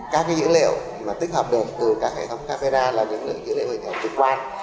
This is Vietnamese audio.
các dữ liệu tích hợp được từ các hệ thống camera là những dữ liệu trực quan